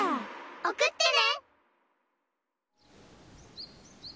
おくってね！